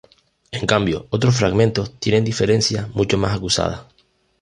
En cambio otros fragmentos tienen diferencias mucho más acusadas.